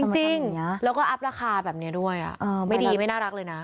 จริงแล้วก็อัพราคาแบบนี้ด้วยไม่ดีไม่น่ารักเลยนะ